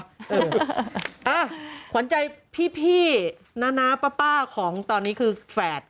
เอออ่าขวานใจพี่น้าร้าป้าของตอนนี้คือแฝด